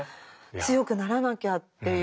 強くならなきゃっていう。